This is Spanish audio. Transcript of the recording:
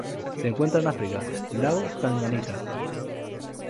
Se encuentran en África: lago Tanganika.